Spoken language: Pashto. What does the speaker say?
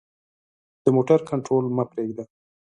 د موټر کنټرول مه پریږده.